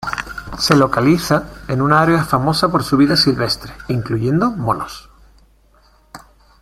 Se localiza en un área famosa por su vida silvestre, incluyendo monos.